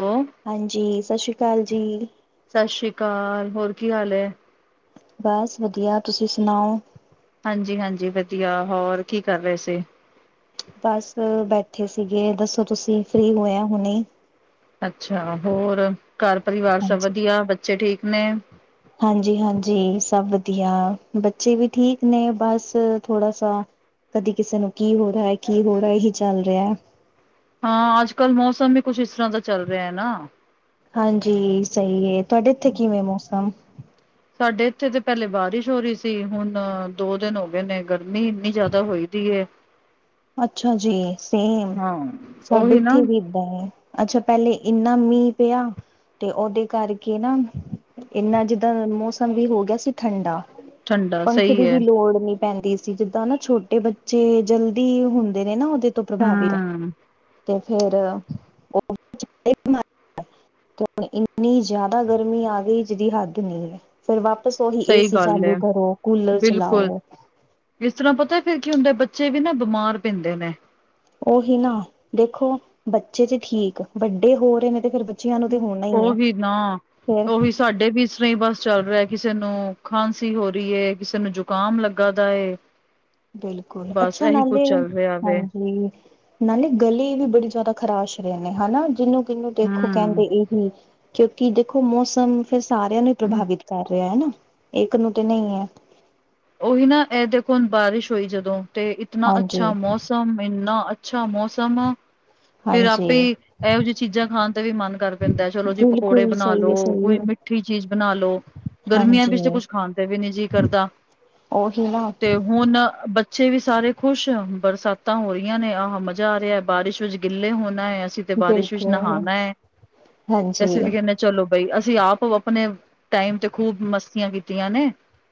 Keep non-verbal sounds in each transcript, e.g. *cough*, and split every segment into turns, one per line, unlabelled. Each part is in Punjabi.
ਹੈਲੋ,
ਹਾਂਜੀ ਸਤਿ ਸ਼੍ਰੀ ਅਕਾਲ ਜੀ
ਸ਼ਤਿ ਸ੍ਰੀ ਅਕਾਲ ਹੋਰ ਕੀ ਹਾਲ ਏ
ਬਸ ਵਧੀਆ ਤੁਸੀਂ ਸੁਣਾਓ
ਹਾਂਜੀ ਹਾਂਜੀ ਵਧੀਆ ਹੋਰ ਕੀ ਕਰ ਰਹੇ ਸੀ
ਬਸ ਬੈਠੇ ਸੀਗੇ ਦੱਸੋ ਤੁਸੀਂ ਫ੍ਰਰੀ ਹੋਏ ਆ ਹੁਣੀ
ਅੱਛਾ ਹੋਰ ਘਰ ਪਰਿਵਾਰ ਸਭ ਵਧੀਆ ਬੱਚੇ ਠੀਕ ਨੇ
ਹਾਂਜੀ ਹਾਂਜੀ ਸਭ ਵਧੀਆ ਬੱਚੇ ਵੀ ਠੀਕ ਨੇ ਬਸ ਥੋੜਾ ਸਾ ਕਦੀ ਕਿਸੇ ਨੂੰ ਕੀ ਹੋ ਰਹਿਆ ਕੀ ਹੋ ਰਹਿਆ ਇਹੀ ਚੱਲ ਰਿਹਾ ਐ
ਹਾਂ ਅੱਜ ਕੱਲ ਮੌਸਮ ਵੀ ਕੁਛ ਇਸ ਤਰ੍ਹਾਂ ਦਾ ਚੱਲ ਰਿਹਾ ਏ ਨਾ
ਹਾਂਜੀ ਸਹੀ ਹੈ ਤੁਹਾਡੇ ਇੱਥੇ ਕਿਵੇਂ ਏ ਮੌਸਮ
ਸਾਡੇ ਇੱਥੇ ਤੇ ਪਹਿਲੇ ਬਾਰਿਸ਼ ਹੋ ਰਹੀ ਸੀ ਹੁਣ ਦੋ ਦਿਨ ਹੋ ਗਏ ਨੇ ਗਰਮੀ ਇੰਨੀ ਜ਼ਿਆਦਾ ਹੋਈ ਦੀ ਏ
ਅੱਛਾ ਜੀ ਸੇਮ ਸਾਡੇ
ਉਹੀ ਨਾ
ਇੱਥੇ ਵੀ ਅੱਛਾ ਪਹਿਲੇ ਇੰਨਾ ਮੀਂਹ ਪਿਆ ਤੇ ਉਹਦੇ ਕਰਕੇ ਨਾ ਇੰਨਾ ਜਿੱਦਾਂ ਮੌਸਮ ਵੀ ਹੋ ਗਿਆ ਸੀ ਠੰਡਾ
ਠੰਡਾ
ਪੰਖੇ
ਸਹੀ
ਦੀ
ਹੈ,
ਵੀ ਲੋੜ ਨੀ ਪੈਂਦੀ ਸੀ ਜੀ ਜਿੱਦਾਂ ਨਾ ਛੋਟੇ ਬੱਚੇ ਜਲਦੀ ਹੁੰਦੇ ਨੇ, ਨਾ ਉਹਦੇ ਤੋਂ ਪ੍ਰਭਾਵਿਤ,
ਹੂੰ।
ਅਤੇ ਫੇਰ *unintelligible* ਤੇ ਹੁਣ ਇੰਨੀ ਜ਼ਿਆਦਾ ਗਰਮੀ ਆ ਗਈ ਜਿਹਦੀ ਹੱਦ ਨੀ ਐ, ਫੇਰ ਵਾਪਸ ਓਹੀ
ਸਹੀ
ਏਸੀ
ਗੱਲ ਹੈ,
ਚਾਲੂ ਕਰੋ, ਕੂਲਰ
ਬਿਲਕੁਲ।
ਚਲਾਓ।
ਇਸ ਤਰ੍ਹਾਂ ਪਤਾ ਫੇਰ ਕੀ ਹੁੰਦੈ ਬੱਚੇ ਵੀ ਨਾ ਬਿਮਾਰ ਪੈਂਦੇ ਨੇ।
ਉਹੀ ਨਾ ਦੇਖੋ, ਬੱਚੇ ਤੇ ਠੀਕ ਵੱਡੇ ਹੋ ਰੇ ਨੇ ਤੇ ਫੇਰ ਬੱਚਿਆਂ ਨੂੰ ਤੇ ਹੋਨਾ ਈ ਐ ਫੇਰ।
ਤਾਡੇ ਵੀ ਇਸਰ੍ਹਾਂ ਈ ਬਸ ਚੱਲ ਰਿਆ ਕਿਸੇ ਨੂੰ ਖਾਂਸੀ ਹੋ ਰੀ ਐ ਕਿਸੇ ਨੂੰ ਜੁਕਾਮ ਲੱਗਾ ਦਾ ਐ। *inaudible*
ਬਿਲਕੁਲ, ਅੱਛਾ ਨਾਲੇ
ਵੇ
ਹਾਂਜੀ। ਨਾਲੇ ਗਲੇ ਵੀ ਬੜੀ ਜਆਦਾ ਖਰਾਸ਼ ਰੇ ਨੇ ਹਨਾ, ਜਿਨੂੰ- ਕਿਨੂੰ ਦੇਖੋ
ਹਮ
ਕੈਂਦੇ ਏ ਹੁੰ ਕਿਉਕਿ ਦੇਖੋ ਮੌਸਮ ਫਿਰ ਸਾਰਿਆਂ ਨੂੰ ਈ ਪ੍ਰਭਾਵਿਤ ਕਰ ਰਿਆ ਹਨਾ। ਇੱਕ ਨੂੰ ਤੇ ਨਈ ਐ।
ਓਹੀ ਨਾ ਐ ਦੇਖੋ ਹੁਨ ਬਾਰਿਸ਼ ਹੋਈ ਜਦੋਂ ਤੇ ਇਤਨਾ
ਹਾਂਜੀ
ਅੱਛਾ ਮੌਸਮ, ਏਨਾ ਅੱਛਾ ਮੌਸਮ। ਫਿਰ ਆਪੇ
ਹਾਂਜੀ
ਈ ਇਹੋ ਜੀਆ ਚੀਜਾਂ ਖਾਣ ਤੇ ਵੀ ਮਨ ਕਰ ਪੈਂਦੈ ਚਲੋ ਜੀ, ਪਕੌੜੇ
ਬਿਲਕੁਲ
ਬਨਾ
ਸਹੀ
ਲੋ
ਹੈ ਸਹੀ
ਕੋਈ
ਹੈ
ਮਿ ਮਿੱਠੀ ਚੀਜ਼ ਬਣਾ ਲੋ, ਗਰਮੀਆਂ
ਹਾਂਜੀ
ਵਿੱਚ ਕੁੱਛ ਖਾਣ ਤੇ ਵੀ ਨੀ ਜੀ ਕਰਦਾ।
ਓਹੀ ਨਾ।
ਤੇ ਹੁਨ ਬ ਚੇ ਵੀ ਸਾਰੇ ਖੁਸ਼ ਬਰਸਾਤਾਂ ਹੋ ਰੀਆਂ ਨੇ, ਆਹਾ ਮਜਾ ਆ ਰਿਐ ਬਾਰਿਸ਼ ਵਿੱਚ ਗਿੱਲੇ ਹੋਨਾ ਐ ਅਸੀ ਤੇ ਬਾਰਿਸ਼ ਵਿੱਚ
ਬਿਲਕੁਲ
ਨਹਾਨਾ ਐ ਤੇ
ਹਾਂਜੀ
ਅਸੀ ਵੀ ਕੈਨੇ ਚਲੋ ਬਈ, ਅਸੀ ਆਪਵ ਆਪਨੇ ਟਾਈਮ ਤੇ ਖੂਬ ਮਸਤੀਆਂ ਕੀਤੀਆਂ ਨੇ।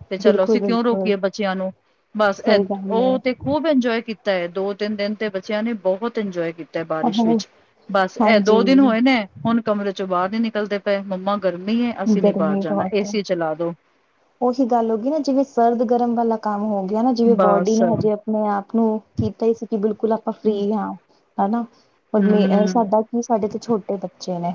ਤੇ ਚਲੋ ਅਸੀਂ
ਬਿਲਕੁਲ-ਬਿਲ
ਕਿਉਂ ਰੋਕੀਏ ਬੱਚਿਆਂ ਨੂੰ, ਬਸ ਐ
ਗੱਲ
ਓ
ਹੈ
ਤੇ ਖੂਬ ਇੰਜੋਏ ਕੀਤਾ ਐ ਦੋ, ਤੇਨ ਦਿਨ ਤੇ ਬੱਚਿਆਂ ਨੇ ਬਹੁਤ ਇੰਜੋਏ ਕੀ ਤਾ ਏ ਬਾਰਿਸ਼ ਵਿੱਚ, ਬਸ ਐ
ਹਾਂਜੀ
ਦੋ ਦਿਨ ਹੋਏ ਨੇ ਹੁਣ ਕਮਰੇ ਚੋਂ ਬਾਰ ਨੀ ਨਿਕਲਦੇ ਤੇ ਮੰਮਾ ਗਰਮੀ ਏ ਅਸੀ ਨੀ ਬਾਰ ਜਾਣਾ ਏਸੀ ਚਲਾ ਦੋ।
ਓਹੀ ਗੱਲ ਹੋ ਗੀ ਨਾ, ਜਿਵੇਂ ਸਰਦ- ਗਰਮ ਵਾਲਾ ਕੰਮ ਹੋ ਗਿਆ ਨਾ। ਜਿਵੇਂ ਬੌਡੀ
ਬਸ
ਨੇ ਹਜੇ ਆਪਨੇ -ਆਪ, ਨੂੰ ਕੀਤਾ ਈ ਸੀ ਕਿ ਬਿਲਕੁਲ ਆਪਾਂ ਫਰੀ ਹਾਂ ਹਨਾ। ਪਰ ਮੇ ਐ
ਹਮ
ਸਾਡਾ ਕੀ, ਸਾਡੇ ਤੇ ਛੋਟੇ ਬੱਚੇ ਨੇ,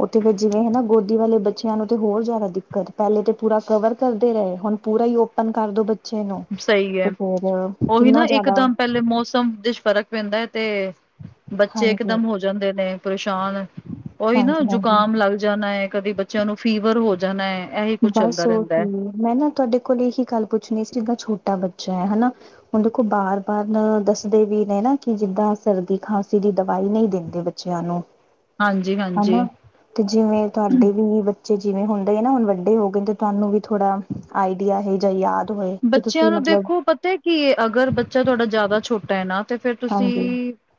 ਓਥੇ ਫੇਰ ਜਿਵੇਂ ਹਨਾ ਗੋ ਦੀ ਵਾਲੇ ਬੱਚਿਆਂ ਨੂੰ ਤੇ ਹੋਰ ਜਆਦਾ ਦਿੱਕਤ, ਪੈਲੇ ਤੇ ਪੂਰਾ ਕਵਰ ਕਰਦੇ ਰਏ ਹੁਨ ਪੂਰਾ ਈ ਓਪਨ ਕਰ ਦੋ ਬ ਬੱਚੇ ਨੂੰ
ਸਹੀ
ਤੇ ਫੇਰ, ਕਿੰਨਾ ਜਆਦਾ
ਨਲ਼ੇ ਮੌਸਮ ਦੇ ਚ ਫਰਕ ਪੈਂਦਾ ਤੇ, ਬੱਚੇ ਇਕ
ਹਾਂਜੀ
ਦਮ ਹੋ ਜਾਂਦੇ ਨੇ, ਪਰੇਸ਼ਾਨ। ਓਹੀ ਨਾ
ਹਾਂਜੀ ਹਾਂਜੀ
ਜੁਕਾਮ ਲੱਗ ਜਾਨਾ ਏ ਕਦੀ ਬੱਚਿਆਂ ਨੂੰ ਫੀਵਰ ਹੋ ਜਾਨਾ ਏ
ਬਸ ਔਰ ਕੀ, ਮੈਂ ਨਾ ਤਾਡੇ ਕੋਲ ਏਹੀ ਗੱਲ ਪੁੱਛਨੀ ਸੀ ਜਿਦਾਂ ਛੋਟਾ ਬੱਚਾ ਹਨਾ ਹੁਨ ਦੇਖੋ ਬਾਰ -ਬਾਰ ਦੱਸਦੇ ਵੀ ਨੇ ਨਾ ਕਿ ਜਿੱਦਾਂ ਸਰਦੀ- ਖਾਂਸੀ ਦੀ ਦਵਾਈ ਨਈ ਦੇਂਦੇ ਬੱ ਚਿਆਂ ਨੂੰ।
ਹਾਂਜੀ -ਹਾਂਜੀ।
ਹਨਾ ਤੇ ਜਿਵੇਂ ਤਾਡੇ ਵੀ ਬੱਚੇ, ਜਿਵੇਂ ਹੁੰਦੇ ਆ ਨਾ ਓਨ ਵਾਲੀ ਓ ਹੋ ਗਏ ਤੇ ਤਾਨੂੰ ਵੀ ਥੋੜਾ ਆਈਡੀਆ ਇਹੋ ਜਿਆ ਯਾਦ ਹੋਏ ਕਿ
ਬੱਚਿਆਂ
ਤੁਸੀਂ
ਨੂੰ
ਮਤਲਬ
ਦੇਖੋ ਪਤੈ ਕੀ ਏ ਅਗਰ ਬੱਚਾ ਤੁਆਡਾ ਜਆਦਾ ਛੋਟਾ ਏ ਨਾ ਤੇ ਫੇਰ ਤੁਸੀ
ਹਾਂਜੀ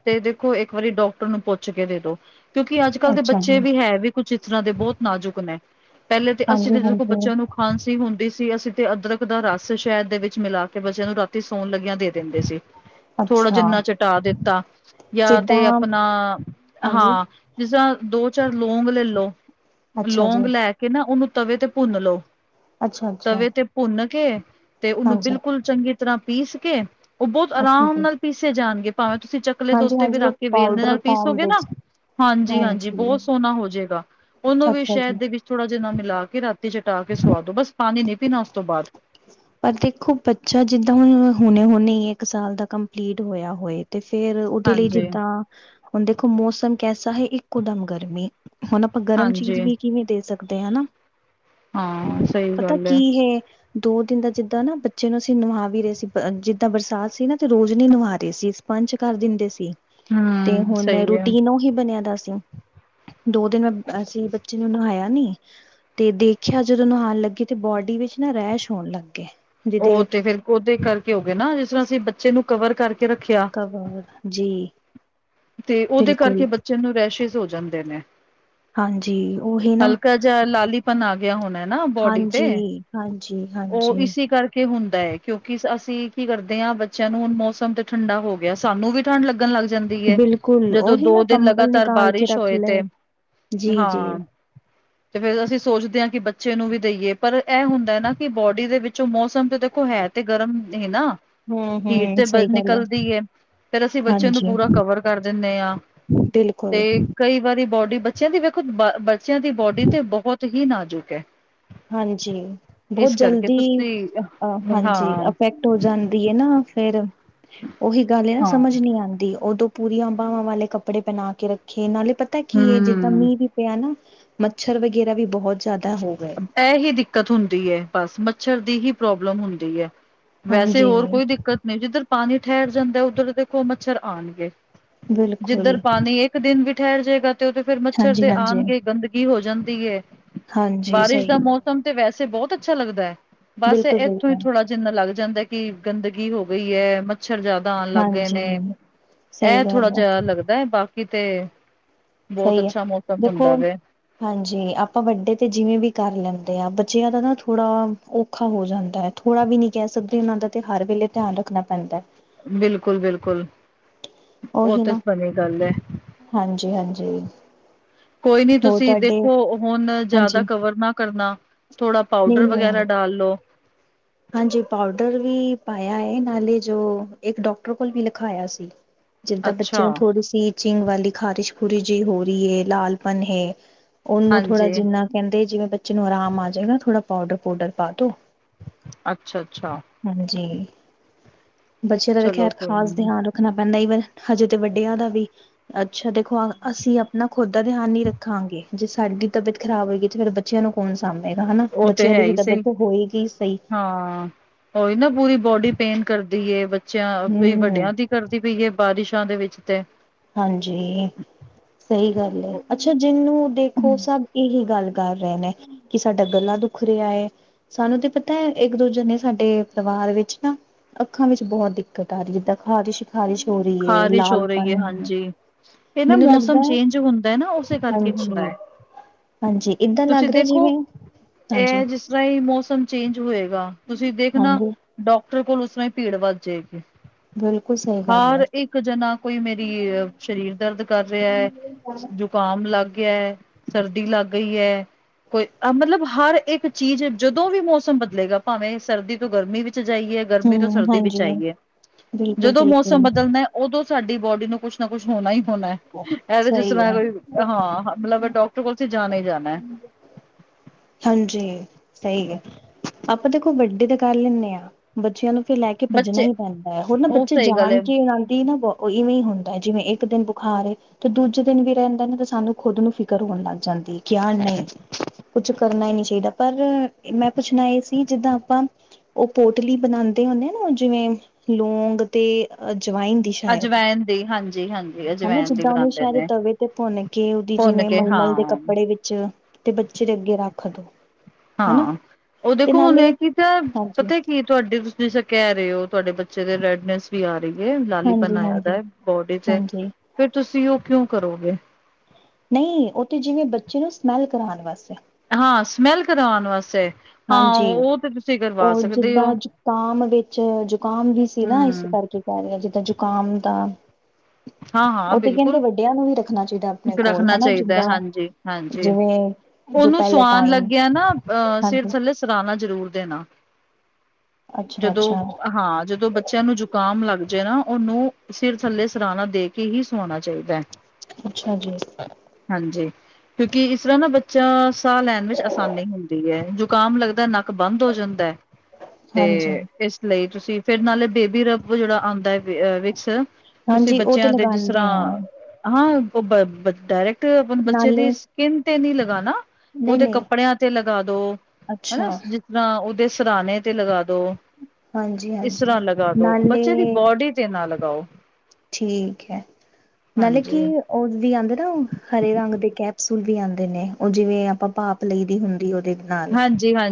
ਤੇ ਦੇਖੋ ਏਕ ਵਾਰੀ ਡਾਕਟਰ ਪੁੱਛ ਕੇ ਦੇ ਦੋ ਕਿਉਂਕਿ, ਅੱਜ- ਕੱਲ ਦੇ
ਅੱਛਾ ਜੀ
ਬੱਚੇ ਵੀ ਹੈ ਵੀ ਕੁਛ ਇ ਤਰ੍ਹਾਂ ਦੇ ਬੌਤ ਨਾਜੁਕ ਨੇ ਪੈਲੇ ਤੇ ਅਸੀ ਵੀ ਦੇਖੋ
ਹਾਂਜੀ-ਹਾਂਜੀ
ਬੱਚਿਆਂ ਨੂੰ ਖਾਂਸੀ ਹੁੰਦੀ ਸੀ, ਅਸੀ ਤੇ ਅਦਰਕ ਦਾ ਰਸ ਸ਼ਹਿਦ ਦੇ ਵਿੱਚ ਮਿਲਾ ਕੇ ਬੱਚਿਆਂ ਨੂੰ ਰਾਤੀ ਸੌਣ ਲੱਗਿਆ ਦੇ ਦੇਂਦੇ ਸੀ। ਥੋੜ੍ਹਾ
ਅੱਛਾ
ਜਿੰਨਾ ਚਟਾ ਦਿੱਤਾ। ਯਾ
ਜਿੱਦਾਂ
ਤੇ ਆਪਨਾ
ਹਾਂਜੀ
ਹਾਂ, ਜਿਸਰਾਂ ਦੋ ਚਾਰ ਲੌਂਗ ਲੇਲੋ।
ਅੱਛਾ ਜੀ
ਲੌਂਗ ਲੈ ਕੇ ਨਾ ਓਨੂੰ ਤਵੇ ਤੇ ਭੁੰਨ ਲਓ,
ਅੱਛਾ-ਅੱਛਾ
ਤਵੇ ਤੇ ਭੁੰਨ ਕੇ ਤੇ ਓਨੂੰ
ਹਾਂਜੀ
ਬਿਲਕੁਲ ਚੰਗੀ ਤਰਾ ਪੀਸ ਕੇ ਓ ਬੌਤ
ਅੱਛਾ
ਅਰਾਮ
ਜੀ
ਨਾਲ ਪੀਸੇ ਜਾਣਗੇ। ਭਾਵੇਂ-ਤੁਸੀਂ ਚਕਲੇ ਦੇ ਉੱਤੇ ਵੀ
ਹਾਂਜੀ-ਹਾਂਜੀ
ਰੱਖ
ਉਹ
ਕੇ ਵੇਲਣੇ ਦੇ
ਪਾਊਡਰ
ਨਾਲ
ਫੋਮ
ਪੀਸੋਗੇ ਨਾ
ਵਿੱਚ
ਹਾਂਜੀ, ਹਾਂਜ। ਬੌਤ ਸੋਹਣਾ ਹੋਜੇਗਾ। ਓਨੂੰ ਵੀ
ਅੱਛਾ ਜੀ।
ਸ਼ਹਿਦ ਦੇ ਵਿੱਚ ਥੋੜਾ ਜਿਆ ਨਾ ਮਿਲਾ ਕੇ ਰਾਤੀ ਚਟਾ ਕੇ ਸਵਾਦੋ ਬਸ ਪਾਨੀ ਨੀ ਪੀਨਾ ਓਸ ਤੋਂ ਬਾਅਦ।
ਪਰ ਦੇਖੋ ਬੱਚਾ ਜਿੱਦਾਂ ਹੁ ਹੁਣੇ ਹੁਣੇ ਇੱਕ ਸਾਲ ਦਾ ਕੰਪਲੀਟ ਹੋਇਆ ਹੋਏ। ਤੇ ਫੇਰ ਓਦੇ ਲਈ
ਹਾਂਜੀ
ਜਿੱਦਾਂ ਹੁਨ ਦੇਖੋ! ਮੌਸਮ ਕੈਸਾ ਹੈ। ਇੱਕੋ ਦਮ ਗਰਮੀ, ਹੁਨ ਆਪਾਂ ਗਰਮ ਚੀਜ਼
ਹਾਂਜੀ
ਵੀ ਕਿਵੇਂ ਦੇ ਸਕਦੇ ਹਨਾ।
ਹਾਂ ਸਹੀ
ਪਤਾ
ਗੱਲ
ਕੀ ਹੈ ਦੋ ਦਿਨ ਦਾ ਜਿੱਦਾਂ ਨਾ ਬੱਚੇ ਨੂੰ ਅਸੀਂ ਨਵਾ ਵੀ ਰਹੇ ਸੀ। ਜਿੱਦਾਂ ਬਰਸਾਤ ਸੀ ਨਾ ਤੇ ਰੋਜ਼ ਨ ਨਵਾ ਰਹੇ ਸੀ। ਪੰਚ ਕਰ ਦਿੰਦੇ ਸੀ ਤੇ
ਹਮ
ਹੁਣ
ਸਹੀ ਹੈ
ਰੂਟੀਨ ਉ ਹੀ ਬਣਿਆ ਦਾ ਸੀ। ਦੋ ਦਿਨ ਮੈਂ, ਅਸੀਂ ਬੱਚੇ ਨੇ ਨਵਾਇਆ ਨੀ। ਤੇ ਦੇਖਿਆ, ਜਦੋਂ ਨੁਹਾਣ ਲੱਗੇ ਤੇ ਬੋਡੀ ਵਿੱਚ ਨਾ ਰੈਸ਼ ਹੋਣ ਲੱਗ ਗਏ।
ਓ
ਜਿਹਦੇ
ਤੇ ਫੇਰ ਓਦੇ ਕਰਕੇ ਹੋ ਗਏ ਨਾ, ਜਿਸ ਤਰ੍ਹਾਂ ਅਸੀਂ ਬੱਚੇ ਨੂੰ ਕਵਰ ਕਰਕੇ ਰੱਖਿਆ।
*unintelligible* ਜੀ।
ਤੇ ਓਦੇ ਕਰਕੇ
ਬਿਲਕੁਲ
ਬੱਚਿਆਂ ਨੂੰ ਰੈਸਿਸ਼ ਹੋ ਜਾਂਦੇ ਨੇ।
ਹਾਂਜੀ ਉਹੀ ਨਾ
ਹਲਕਾ ਜਾ ਲਾਲੀਪਨ ਆ ਗਿਆ ਹੁਨੇ ਨਾ ਬੋਡੀ ਚ
ਹਾਂਜੀ ਹਾਂਜੀ, ਹਾਂਜੀ।
ਕੇ ਹੁੰਦਾ ਏ। ਕਿਉਂਕਿ ਅਸੀਂ ਕੀ ਕਰਦੇ ਹਾਂ, ਬੱਚਿਆਂ ਨੂੰ ਹੁਣ ਮੌਸਮ ਤੇ ਠੰਡਾ ਹੋ ਗਿਆ, ਸਾਨੂੰ ਵੀ ਠੰਢ ਲੱਗਣ ਲੱਗ ਜਾਂਦੀ ਹੈ।
ਬਿਲਕੁਲ
ਜਦੋਂ
ਉਹੀ
ਦੋ
ਨਾ
ਦਿਨ
ਕੰਬਲ
ਲਗਾਤਾਰ
ਨਿਕਾਲ ਕੇ
ਬਾਰਿਸ਼
ਰੱਖ
ਹੋਏ ਤੇ
ਲਏ ਜੀ ਜੀ
ਹਾਂ *inaudible* ਤੇ ਫੇਰ ਅਸੀਂ ਸੋਚਦੇ ਹਾਂ ਕਿ ਬੱਚੇ ਨੂੰ ਵੀ ਦੇਈਏ ਪਰ ਇਹ ਹੁੰਦਾ ਨਾ ਕਿ ਬੋਡੀ ਦੇ ਵਿੱਚੋਂ ਮੌਸਮ ਤੇ ਦੇਖੋ ਹੈ ਤੇ ਗਰਮ ਹੀ ਨਾ
ਹੂੰ
ਹੀਟ
ਹੂੰ
ਤੇ ਬ
ਸਹੀ ਗੱਲ
ਨਿਕਲਦੀ ਹੈ ਫੇਰ ਅਸੀਂ ਬੱਚੇ ਨੂੰ
ਹਾਂਜੀ
ਪੂਰਾ ਕਵਰ ਕਰ ਦਿੰਨੇ ਆਂ ਤੇ
ਬਿਲਕੁਲ
ਕਈ ਵਾਰੀ ਬੋਡੀ ਬੱਚਿਆਂ ਦੀ ਵੇਖੋ ਬੱਚਿਆਂ ਦੀ ਬੋਡੀ ਤੇ ਬਹੁਤ ਹੀ ਨਾਜ਼ੁਕ ਹੈ।
ਹਾਂਜੀ, ਬਹੁਤ ਜਲਦੀ
ਤੁਸੀਂ
ਅ
ਹਾਂ,
ਹਾਂਜੀ, ਅਫੈਕ ਟ ਹੋ ਜਾਂਦੀ ਹੈ ਨਾ ਫੇਰ ਓਹੀ ਗੱਲ ਹੈ ਨਾ
ਹਾਂ
ਸਮਝ ਨੀ ਆਂਦੀ ਉਦੋਂ ਪੂਰੀਆਂ ਬਾਹਵਾਂ ਵਾਲੇ ਕੱਪੜੇ ਪਹਿਨਾ ਕੇ ਰੱਖੇ ਨਾਲੇ ਪਤਾ ਕੀ ਹੈ ਜਿੱਦਾਂ
ਹੂੰ।
ਮੀਂਹ ਵੀ ਪਿਆ ਨਾ ਮੱਛਰ ਵਗੈਰਾ ਵੀ ਬਹੁਤ ਜ਼ਿਆਦਾ ਹੋ ਗਏ
ਇਹ ਹੀ ਦਿੱਕਤ ਹੁੰਦੀ ਹੈ, ਬਸ ਮੱਛਰ ਦੀ ਹੀ ਪ੍ਰੋਬਲਮ ਹੁੰਦੀ ਹੈ। ਵੈਸੇ
ਹਾਂਜੀ
ਹੋਰ ਕੋਈ ਦਿੱਕਤ ਦਿੱਕਤ ਨਹੀਂ, ਜਿੱਧਰ ਪਾਣੀ ਠਹਿਰ ਜਾਂਦਾ, ਉੱਧਰ ਦੇਖੋ ਮੱਛਰ ਆਉਣਗੇ ਜਿੱਧਰ
ਬਿਲਕੁਲ
ਪਾਣੀ ਇੱਕ ਦਿਨ ਵੀ ਠਹਿਰ ਜਾਏਗਾ ਤੇ ਓਤੇ ਫੇਰ ਮੱਛਰ ਤੇ
ਹਾਂਜੀ-ਹਾਂਜੀ, ਹਾਂਜੀ
ਆਣਗੇ ਗੰਦਗੀ ਹੋ ਜਾਂਦੀ ਹੈ।
ਹਾਂਜੀ
ਬਾਰਿਸ਼
ਸਹੀ
ਦਾ
ਏ।
ਮੌਸਮ ਤੇ ਵੈਸੇ ਬਹੁਤ ਅੱਛਾ ਲੱਗਦਾ ਹੈ। ਬਸ, ਇੱਥੋਂ
ਬਿਲਕੁਲ-ਬਿਲਕੁਲ,
ਥੋੜਾ ਜਿੰਨਾ ਲੱਗ ਜਾਂਦਾ ਕਿ ਗੰਦਗੀ ਹੋ ਗਈ ਹੈ। ਮੱਛਰ ਜਦਾ ਤਾਂ ਲੱਗੇ
ਹਾਂਜੀ
ਨੇ ਗਏ ਨੇ
ਸਹੀ
ਐ
ਗੱਲ
ਥੋੜਾ ਜਿਹਾ ਲੱਗਦਾ *unintelligible* ਬਾਕੀ ਤੇ ਬੋਤ
ਸਹੀ ਐ।
ਅੱਛਾ ਮੌਸਮ
ਦੇਖੋ
ਹੁੰਦਾ ਵੈ
ਹਾਂਜੀ। ਆਪਾਂ ਵੱਡੇ ਤੇ ਜਿਵੇਂ ਵੀ ਕਰ ਲੈਂਦੇ ਹਾਂ ਬੱਚਿਆਂ ਦਾ ਨਾ ਥੋੜਾ ਓ ਔਖਾ ਹੋ ਜਾਂਦਾ ਹੈ। ਥੋੜਾ ਵੀ ਨੀ ਕਹਿ ਸਕਦੇ ਉਨਾਂ ਦਾ ਤੇ ਹਰ ਵੇਲੇ ਧਿਆਨ ਰੱਖਣਾ ਪੈਂਦਾ।
ਬਿਲਕੁਲ, ਬਿਲਕੁਲ। ਓ
ਉਹੀ
ਤਾਂ
ਨਾ,
ਬਣੀ ਗੱਲ ਹੈ।
ਹਾਂਜੀ-ਹਾਂਜੀ।
ਕੋਈ ਨੀ
ਹੋਰ
ਤੁਸੀਂ
ਤੁਹਾਡੇ,
ਦੇਖੋ ਹੁਨ
ਹਾਂਜੀ,
ਜ਼ਿਆਦਾ ਕਵਰ ਨਾ ਕਰਨਾ ਥੋੜਾ ਪਾਊਡਰ ਵਗੈਰਾ
ਨਹੀਂ-ਨਹੀਂ
ਡਾਲ ਲੋ
ਹਾਂਜੀ, ਪਾਊਡਰ ਵੀ ਪਾਇਆ ਹੈ। ਨਾਲੇ ਜੋ ਇੱਕ ਡਾਕਟਰ ਕੋਲ ਵੀ ਲਿਖਾਇਆ ਸੀ। ਜਿੱਦਾਂ ਬੱਚੇ
ਅੱਛਾ
ਨੂੰ ਥੋੜੀ ਚਿੰਗ ਵਾਲੀ ਖ਼ਾਰਿਸ਼ ਖੂਰਸ਼ ਜਿ ਹੋ ਰ‌ਈ ਏ, ਲਾਲਪਨ ਹੈ। ਓਨੂੰ ਥੋੜਾ
ਹਾਂਜੀ।
ਜਿੰਨਾ ਕਹਿੰਦੇ ਜਿਵੇਂ- ਬੱਚੇ ਨੂੰ ਆਰਾਮ ਆ ਜਾਏ ਨਾ ਥੋੜਾ ਪਾਊਡਰ- ਪੂਡਰ ਪਾ ਦੋ
ਅੱਛਾ-ਅੱਛਾ।
ਹਾਂਜੀ ਬੱਚਿਆਂ ਦਾ
ਚਲੋ
ਖੈਰ
ਕੋਈ
ਖਾਸ
ਨੀ
ਧਿਆਨ ਰੱਖ ਰੱਖਣਾ ਪੈਂਦਾ ਈਵਨ ਹਜੇ ਤੇ ਵੱਡਿਆਂ ਦਾ ਵੀ ਅੱਛਾ ਦੇਖੋ ਅਸੀ ਆ ਨਾ ਖੁਦ ਦਾ ਧਿਆਨ ਨੀ ਰੱਖਾਂਗੇ ਜੇ ਸਾਡੀ ਤਬੀਅਤ ਖਰਾਬ ਹੋਏਗੀ ਤੇ ਫਿਰ ਬ ਬੱਚਿਆਂ ਨੂੰ ਕੌਣ ਸਾਂਭੇਗਾ ਹਨਾ
ਉਹ ਤੇ ਹੈ
ਦੀ ਵੀ
ਹੀ ਸਹੀ
ਤਬੀਅਤ ਹੋਏਗੀ ਸਈ।
ਹਾਂ ਉਹੀ ਨਾ ਪੂਰੀ ਬੋਡੀ ਪੇਨ ਕਰਦੀ ਏ ਬੱਚਿਆਂ ਵੀ
ਹੂੰ
ਵੱਡਿਆਂ ਦੀ ਕਰਦੀ ਪਈ ਏ ਬਾਰਿਸ਼ਾਂ ਦੇ ਵਿੱਚ ਤੇ
ਹਾਂਜੀ ਸਈ ਗੱਲ ਏ ਅੱਛਾ ਜਿਨੂੰ ਦੇਖੋ ਸਭ ਇਹੀ ਗੱਲ ਕਰ ਰਏ ਨੇ ਕਿ ਸਾਡਾ ਗਲਾ ਦੁਖ ਰਿਆ ਏ। ਸਾਨੂੰ ਤੇ ਪਤਾ ਇੱਕ ਦੂਜੇ ਨੇ ਸਾਡੇ ਪਰਿਵਾਰ ਵਿੱਚ ਨਾ ਅੱਖਾਂ ਵਿੱਚ ਬਹੁਤ ਦਿੱਕਤ ਆ ਰਈ ਏ ਜਿੱਦਾਂ ਖ਼ਾਰਿਸ਼ ਖ਼ਾਰਿਸ਼ ਹੋ ਰਈ ਏ ਲਾਲ ਪਨ
ਜੀ ਹਾਂਜੀ ਏ ਨਾ ਮੌਸਮ ਚੇਂਜ ਹੁੰਦਾ ਨਾ ਉਸੇ ਕਰਕੇ ਹੁੰਦਾ
ਹਾਂਜੀ
ਐ।
ਹਾਂਜੀ ਏਦਾਂ ਲੱਗ ਰਿਆ ਜਿਵੇਂ ਹਾਂਜੀ।
ਸਈ ਮੌਸਮ ਚੇਂਜ ਹੋਏਗਾ ਤੁਸੀ ਦੇਖਣਾ।
ਹਾਂਜੀ
ਡਾਕਟਰ ਕੋਲ ਉਸ ਸਮੇ ਭੀੜ ਵੱਧ ਜਾਏਗੀ।
ਬਿਲਕੁਲ ਸਈ ਗੱਲ ਆ।
ਜ ਨਾ ਕੋਈ ਮੇਰੀ ਅ ਸਰੀਰ ਦਰਦ ਕਰ ਰਿਆ ਐ ਜੋ ਜ਼ੁਕਾਮ ਲੱਗ ਗਿਆ ਸਰਦੀ ਲੱਗ ਗਈ ਐ। ਕੋਈ ਮਤਲਬ ਹਰ ਇੱਕ ਚੀਜ਼ ਜਦੋਂ ਵੀ ਮੌਸਮ ਬਦਲੇਗਾ ਭਾਵੇਂ ਸਰਦੀ ਤੋਂ ਗਰਮੀ ਵਿੱਚ ਜਾਈਏ। ਗਰਮੀ ਤੋਂ
ਹਮ
ਸਰਦੀ ਵਿੱਚ
ਹਾਂਜੀ
ਆਈਏ
ਬਿਲਕੁਲ
ਜਦੋਂ ਮੌਸਮ
ਬਿਲਕੁਲ
ਬਦਲਦਾ ਉਦੋਂ ਸਾਡੀ ਬੋਡੀ ਨੂੰ ਕੁਛ ਕੁਛ ਨਾ ਕੁਛ ਹੋਣਾ ਹੀ ਹੋਣਾ ਐ ਤੇ ਜਿਸ
ਸਹੀ
ਤਰ੍ਹਾਂ
ਹੈ
ਕੋਈ ਹਾਂ ਮਤਲਬ ਡਾਕਟਰ ਕੋਲ ਤੇ ਜਾਣਾ ਈ ਜਾਣਾ।
ਹਾਂਜੀ ਸਈ ਏ। ਆਪਾਂ ਦੇਖੋ ਵੱਡੇ ਤੇ ਕਰ ਲੈਣੇ ਆਂ ਬੱਚਿਆਂ ਨੂੰ ਫਿਰ ਲੈ ਕ ਭੱਜਣਾ
ਬੱਚੇ
ਈ ਪੈਂਦਾ ਏ ਹੋਰ ਨਾ
ਉਹ
ਬੱਚੇ
ਸਹੀ ਗੱਲ
ਜਾਣ
ਹੈ
ਕੇ ਉਨਾਂ ਦੀ ਨਾ ਇਵੇਂ ਹੀ ਹੁੰਦਾ ਏ ਜਿਵੇਂ ਇੱਕ ਦਿਨ ਖਾ ਰਏ ਤੇ ਦੂਜੇ ਦਿਨ ਵੀ ਰੈਂਦਾ ਨਾ ਤੇ ਸਾਨੂੰ ਖੁਦ ਨੂੰ ਫਿਕਰ ਹੋਣ ਲੱਗ ਜਾਂਦੀ ਕਿ ਯ ਨਈ ਕੁਛ ਕਰਨਾ ਈ ਨੀ ਚਾਈਦਾ ਪਰ ਮੈਂ ਪੁੱਛਣਾ ਏ ਸੀ ਜਿੱਦਾਂ ਆਪਾਂ ਓ ਪੋਟਲੀ ਬਣਾਦੇ ਹੁੰਦੇ ਆ ਨਾ ਓ ਜਿਵੇਂ ਲੋਂਗ ਤੇ ਅ ਜਵਾਇਨ
ਅਜਵੈਨ ਦੀ ਹਾਂਜੀ-ਹਾਂਜੀ।
ਹਨਾ
ਅਜਵੈਨ ਦੀ
ਜਿੱਦਾਂ ਉਨੂੰ
ਬਣਾਉਂਦੇ
ਸ਼ਾਇਦ
ਨੇ
ਤਵੇ ਤੇ ਭੁੰਨ ਕੇ ਉਦੀ
ਭੁੰਨ
ਜਿਵੇਂ
ਕੇ
ਮਲਮਲ ਦੇ
ਹਾਂ।
ਕੱਪੜੇ ਵਿੱਚ ਤੇ ਬੱਚੇ ਦੇ ਅੱਗੇ ਰੱਖ ਦੋ। ਹਨਾ
ਹਾਂ ਓ
ਤੇ
ਦੇਖੋ ਹੁਣ
ਨਾਲੇ
ਕੀ ਤਾ
ਹਾਂਜੀ,
ਪਤਾ ਕੀ ਤੁਆਡੇ ਤੁਸੀ ਕੈ ਰਏ ਓ ਤੁਹਾਡੇ ਬੱਚੇ ਦੇ ਰੈਡਨਸ ਵੀ ਆ ਰਈ ਏ
ਹਾਂਜੀ,
ਲਾਲੀਪਨ ਆਇਆ ਦਾ
ਹਾਂਜੀ,
ਐ ਬੋਡੀ 'ਚ
ਹਾਂਜੀ।
ਫਿਰ ਤੁਸੀ ਓ ਕਿਉਂ ਕਰੋਗੇ।
ਨਈ ਓ ਤੇੇ ਜਿਵੇ ਬੱਚੇ ਨੂੰ ਸਮੈਲ ਕਰਾਣ ਵਾਸਤੇ
ਹਾਂ ਸਮੈਲ ਕਰਵਾਉਣ ਵਾਸਤੇ ਹਾਂ ਓ ਤੇ ਤੁਸੀਂ ਕਰਵਾ
ਓ
ਸਕਦੇ
ਜਿੱਦਾਂ
ਹੋ
ਜ਼ੁਕਾਮ ਵਿੱਚ ਜ਼ੁਕਾਮ ਦੀ ਸੀ ਨਾ ਇਸ
ਹਮ
ਕਰਕੇ ਪੈਲਾਂ ਜਿੱਦਾਂ ਜ਼ੁਕਾਮ ਦਾ
ਹਾਂ ਹਾਂ
ਓ ਤੇ ਕੈਂਦੇ
ਬਿਲਕੁਲ
ਵੱਡਿਆਂ ਨੂੰ ਵੀ ਰੱਖਣਾ ਚਾਈਦਾ ਆਪਣੇ ਕੋਲ
ਰੱਖਣਾ
ਹਨਾ
ਚਾਹੀਦਾ
ਜਿੰਦਾ ਜਿਵੇ
ਉਨੂੰ ਸੁਆਨ ਲੱਗਿਆ ਨਾ ਅ ਸਿਰ
ਹਾਂਜੀ
ਥੱਲੇ ਸਰਾਣਾ ਜ਼ਰੂਰ ਦੇਣਾ
ਅੱਛਾ
ਜਦੋਂ
ਅੱਛਾ
ਹਾਂ ਜਦੋਂ ਬੱਚਿਆਂ ਨੂੰ ਜੁ ਜ਼ੁਕਾਮ ਲੱਗ ਨਾ ਉਨੂੰ ਸਿਰ ਥੱਲੇ ਸਰਾਣਾ ਦੇ ਕੇ ਹੀ ਸਵਾਉਣਾ ਚਾਈਦਾ ਐ।
ਅੱਛਾ ਜੀ।
ਹਾਂਜੀ ਕਿਉਂਕਿ ਇਸ ਤਰ੍ਹਾਂ ਨਾ ਬੱਚਾ ਸਾਹ ਲੈਣ ਵਿੱਚ ਆਸਾਨੀ ਹੁੰਦੀ ਏ ਜੋ ਜ਼ੁਕਾਮ ਲੱਗਦਾ ਨੱਕ ਬੰਦ ਹੋ ਜਾਂਦਾਐ ਤੇ
ਹਾਂਜੀ
ਇਸ ਲਈ ਤੁਸੀ ਫਿਰ ਨਾਲੇ ਬੇਬੀ ਰੱਬ ਜੇੜਾ ਆਂਦਾ ਵਿਕਸ ਤੁਸੀ
ਹਾਂਜੀ ਉਹ ਤੇ
ਬੱਚਿਆਂ ਦੇ ਜਿਸ
ਲਗਾਉਂਦੇ ਆ
ਰ੍ਹਾਂ ਹਾਂ ਉਹ ਡਾਇਰੈਕਟ ਬੱਚੇ ਦੀ
ਨਾਲੇ
ਸਕਿੰਨ ਤੇ ਨੀ ਲਗਾਣਾ।
ਨਹੀਂ
ਉਦੇ
ਨਹੀਂ
ਕੱਪੜਿਆਂ ਤੇ ਲਗਾ ਦੋ ਹਨਾ
ਅੱਛਾ
ਜ ਰਾਜ ਓਦੇ ਸਰਣੇ ਤੇ ਲਗਾ ਦੋ
ਹਾਂਜੀ
ਇਸਰਾ
ਹਾਂਜੀ
ਲਗਾ ਦੋ
ਨਾਲੇ
ਬੱਚੇ ਦੀ ਬੋਡੀ ਤੇ ਨਾ ਲਗਾਓ।
ਠੀਕ ਐ ਨਾਲੇ
ਹਾਂਜੀ
ਕੀ ਉਹ ਵੀ ਆਦੇ ਨਾ ਹਰੇ ਰੰਗ ਦੇ ਕੈਪਸੂਲ ਵੀ ਆਦੇ ਨੇ ਉਹ ਜਿਵੇਂ ਆਪਾਂ ਭਾਪ ਲਈ ਦੀ ਹੁੰਦੀ ਉ--ਦੇ
ਹਾਂਜੀ ਹਾਂ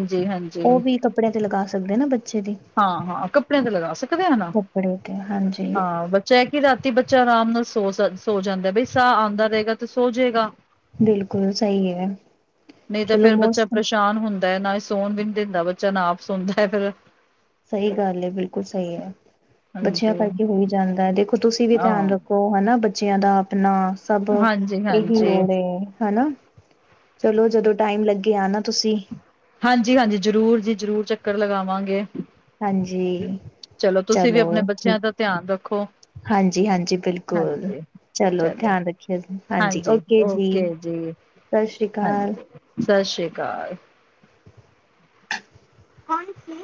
ਓ ਵੀ ਕੱਪੜਿਆਂ ਤੇ ਲਗਾ ਸਕਦੇ ਨਾ ਬੱਚੇ ਦੀ।
ਹਾਂ-ਹਾਂ ਕੱਪੜਿਆਂ ਤੇ ਲਗਾ ਸਕਦੇ ਆ ਨਾ
ਕੱਪੜੇ ਤੇ ਹਾਂਜੀ
ਹਾ ਚੈ ਕਿ ਰਾਤੀ ਬੱਚਾ ਨਾਲ ਸੋ, ਸੋ ਜਾਂਦਾ ਬਈ ਸਾਅ ਆਂਦਾ ਰਏਗਾ ਤੇ ਸੋ ਜੇਗਾ।
ਬਿਲਕੁਲ ਸਈ ਐ ਚਲੋ ਮੌਸਮ
ਸ਼ਾਨ ਹੁੰਦਾ ਨਾ ਹੀ ਸੋਣ ਵੀ ਨੀ ਦਿੰਦਾ ਬੱਚਾ ਨਾ ਆਪ ਸੋੰਦਾ ਫੇਰ।
ਸਈ ਗੱਲ ਏ ਬਿਲਕੁਲ ਸਈ ਐ ਬੱਚਿਆਂ
ਹਾਂਜੀ
ਕਰਕੇ ਹੋ ਹੀ ਜਾਂਦਾ ਦੇਖੋ ਤੁਸੀਂ ਵੀ ਧਿਆਨ
ਹਾਂ
ਰੱਖ ਓ ਹਨਾ ਬੱਚਿਆਂ ਦਾ ਆਪਣਾ ਸਭ
ਹਾਂਜੀ
ਏਹੀ
ਹਾਂਜੀ
ਲੋੜ ਏ ਹਨਾ। ਚਲੋ ਜਦੋਂ ਟਾਈਮ ਲੱਗੇ ਆਨਾ ਤੁਸੀਂ।
ਹਾਂਜੀ-ਹਾਂਜੀ ਜ਼ਰੂਰ ਜੀ ਜ਼ਰੂਰ ਚੱਕਰ ਲਗਾਵਾਂਗੇ।
ਹਾਂਜੀ।
ਚਲੋ ਤੁਸੀਂ ਵੀ ਅਪਣੇ ਬੱਚਿਆਂ ਦਾ ਧਿਆਨ ਰੱਖੋ।
ਹਾਂਜੀ-ਹਾਂਜੀ ਬਿਲਕੁਲ।
ਹਾਂਜੀ
ਚਲੋ ਧਿਆਨ ਰੱਖਿਆ ਜ ਹਾਂਜੀ ਓਕੇ ਜੀ ਸਸ ਸ੍ਰੀ ਕਾਲ।
ਸਸ ਸ੍ਰੀ ਕਾਲ। *unintelligible* ਸੀ।